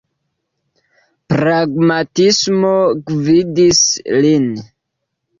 Pragmatismo gvidis lin.